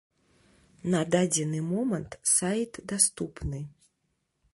На дадзены момант сайт даступны.